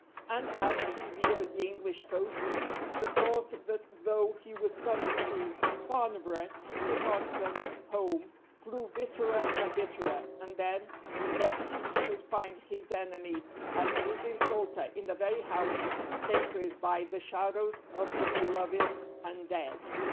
And, as he neared the English coast, the thought that though he was coming to Farnborough he could not come home, grew bitterer and bitterer, and then that he should find his enemy and his insulter in the very house sacred by the shadows of the beloved and dead!!